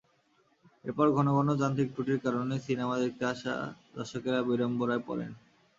এরপর ঘনঘন যান্ত্রিক ত্রুটির কারণে সিনেমা দেখতে আসা দর্শকেরা বিড়ম্বনায় পড়েন।